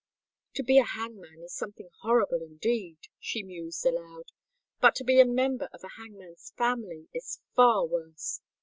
"To be a hangman is something horrible indeed," she mused aloud; "but to be a member of a hangman's family is far worse.